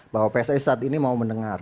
bahwa psi saat ini mau mendengar